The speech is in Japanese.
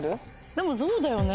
でもゾウだよね。